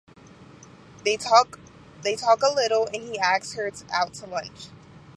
They talk a little and he asks her out to lunch.